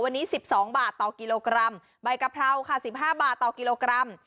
วันนี้๑๒บาทต่อกิโลกรัมใบกะเพราค่ะ๑๕บาทต่อกิโลกรัม